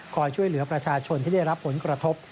ช่วยเหลือประชาชนที่ได้รับผลกระทบ